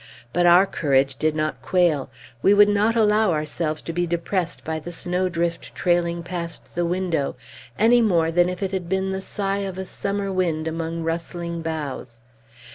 But our courage did not quail. We would not allow ourselves to be depressed by the snowdrift trailing past the window, any more than if it had been the sigh of a summer wind among rustling boughs.